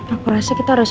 aku rasa kita harus